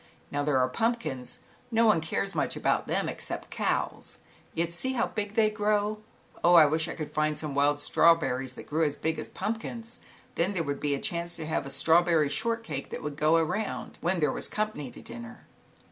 Now, there are pumpkins, no one cares much about them, except cows, yet see how big they grow. Oh, I wish I could find some wild strawberries that grew as big as pumpkins, then there would be a chance to have a strawberry shon that would go around, when company to dinner." 10142611 100 ZAUBERLINDA, THE WISE WITCH.